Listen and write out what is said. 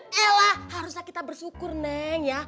yaelah harusnya kita bersyukur neng ya